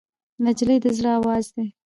نجلۍ د زړه آواز دی.